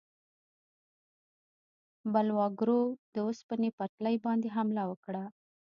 بلواګرو د اوسپنې پټلۍ باندې حمله وکړه.